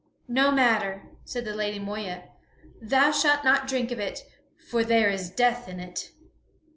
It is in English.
"No matter," said the Lady Moeya, "thou shalt not drink of it, for there is death in it."